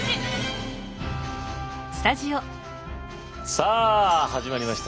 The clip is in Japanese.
さあ始まりました。